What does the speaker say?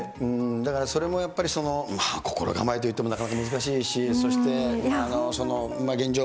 だからそれもやっぱり、心構えといってもなかなか難しいし、そして現状